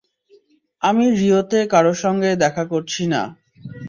আমি রিওতে কারো সঙ্গেই দেখা করছি না।